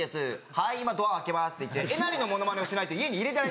「はい今ドア開けます」って言ってえなりのモノマネをしないと家に入れない。